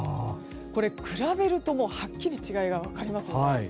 これ、比べるとはっきり違いが分かりますよね。